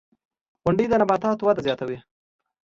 • غونډۍ د نباتاتو وده زیاتوي.